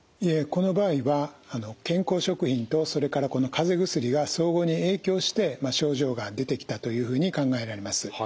この場合は健康食品とそれからこのかぜ薬が相互に影響して症状が出てきたというふうに考えられます。